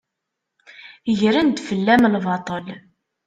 Gren-d fell-am lbaṭel.